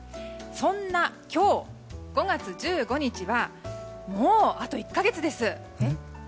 そんな今日５月１５日はもうあと１か月です。